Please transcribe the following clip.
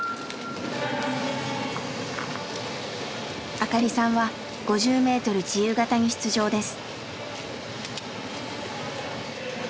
明香里さんは５０ｍ自由形に出場です。